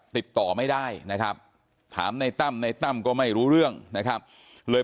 น้องจ้อยนั่งก้มหน้าไม่มีใครรู้ข่าวว่าน้องจ้อยเสียชีวิตไปแล้ว